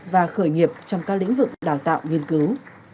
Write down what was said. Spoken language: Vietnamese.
và khởi nghiệp trong các lĩnh vực đào tạo nghiên cứu